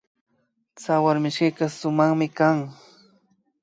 Tsawarmishkika sumakmi kan